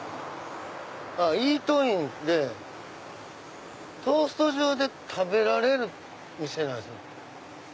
イートインでトースト状で食べられる店なんですね。